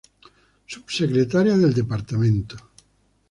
Subsecretaria del Departamento.